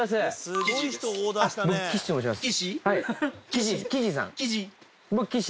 僕岸と申します。